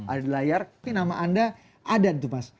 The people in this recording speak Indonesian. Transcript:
ada di layar tapi nama anda ada tuh mas